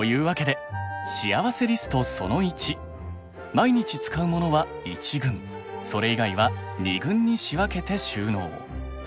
毎日使うモノは１軍それ以外は２軍に仕分けて収納。